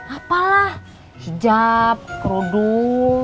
apalah hijab kerudung